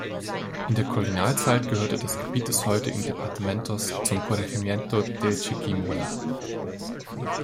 In der Kolonialzeit gehörte das Gebiet des heutigen Departamentos zum "Corregimiento de Chiquimula".